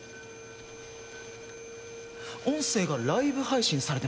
音声がライブ配信されてます。